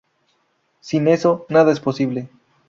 Sin eso, nada es posible.